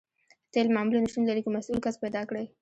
تیل معمولاً شتون لري که مسؤل کس پیدا کړئ